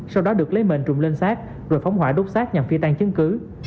sau đó được lấy mền trụm lên xác rồi phóng hỏa đốt xác nhằm phi tan chứng cứ